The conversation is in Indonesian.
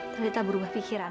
tante tak berubah pikiran